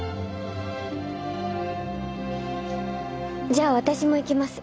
じゃあ私も行きます。